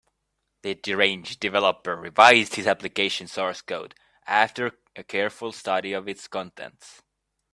The deranged developer revised his application source code after a careful study of its contents.